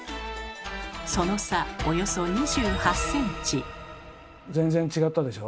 その差およそ２８ｃｍ。